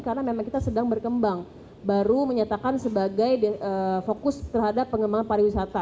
karena memang kita sedang berkembang baru menyatakan sebagai fokus terhadap pengembangan pariwisata